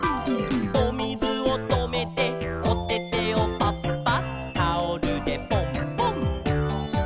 「おみずをとめておててをパッパッ」「タオルでポンポン」